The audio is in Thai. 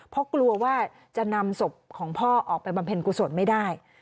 เพราะกลัวว่าจะนำศพของพ่อออกไปบำเพ็ญกุศลไม่ได้